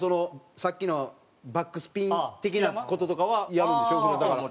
さっきのバックスピン的な事とかはやるんでしょ？